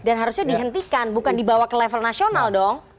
dan harusnya dihentikan bukan dibawa ke level nasional dong